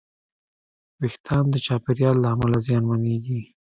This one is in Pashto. وېښتيان د چاپېریال له امله زیانمنېږي.